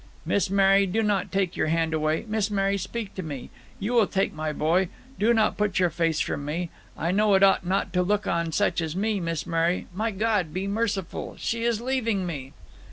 Miss Mary! do not take your hand away! Miss Mary, speak to me! You will take my boy? Do not put your face from me. I know it ought not to look on such as me. Miss Mary! my God, be merciful! she is leaving me!"